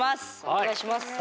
お願いします。